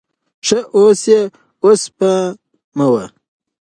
ښه اوس یې اوسپموه.